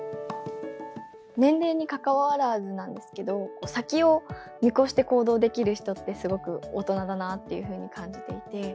年齢にかかわらずなんですけど、先を見越して行動できる人って、すごく大人だなっていうふうに感じていて。